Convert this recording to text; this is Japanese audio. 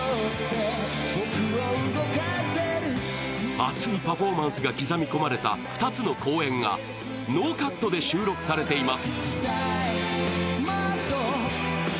熱いパフォーマンスが刻み込まれた２つの公演がノーカットで収録されています。